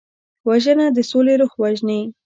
وژنه د سولې روح وژني